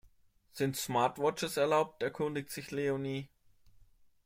Sind Smartwatches erlaubt, erkundigt sich Leonie.